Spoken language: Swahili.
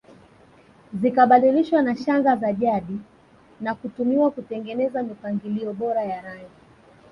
Zikabadilishwa na shanga za jadi na kutumiwa kutengeneza mipangilio bora ya rangi